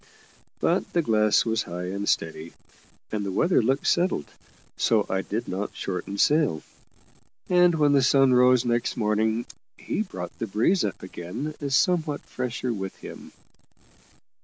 But the glass was high and steady, and the weather looked settled, so I did not shorten sail; and when the sun rose next morning he brought the breeze up again somewhat fresher with him.